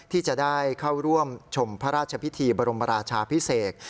ที่จะได้เข้าร่วมชมพระราชพิธีบรมราชาพิเศษ